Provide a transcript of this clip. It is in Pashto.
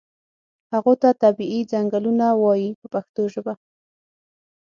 هغو ته طبیعي څنګلونه وایي په پښتو ژبه.